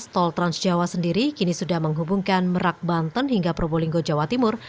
tol transjawa sendiri kini sudah menghubungkan merak banten hingga probolinggo jawa timur